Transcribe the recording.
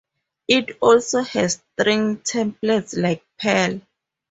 It also has string templates like Perl.